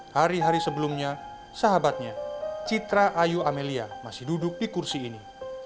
hari hari sebelumnya sahabatnya citra ayu amelia masih duduk di kursi ini